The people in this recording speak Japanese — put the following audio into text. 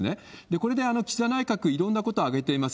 これで岸田内閣、いろんなことを挙げています。